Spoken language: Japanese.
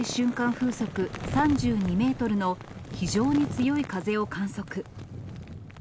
風速３２メートルの非常に強い風を観測。